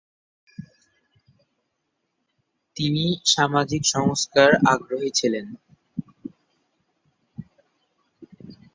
তিনি সামাজিক সংস্কার আগ্রহী ছিলেন।